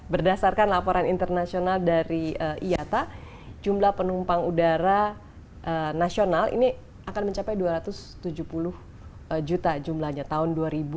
berdasarkan laporan internasional dari iata jumlah penumpang udara nasional ini akan mencapai dua ratus tujuh puluh juta jumlahnya tahun dua ribu dua puluh